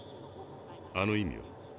あの意味を。